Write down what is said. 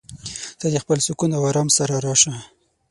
ته د خپل سکون او ارام سره راشه.